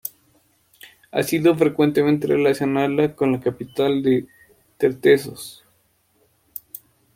Ha sido frecuente relacionarla con la capital de Tartessos.